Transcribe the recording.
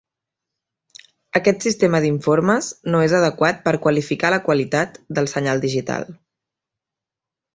Aquest sistema d'informes no és adequat per qualificar la qualitat del senyal digital.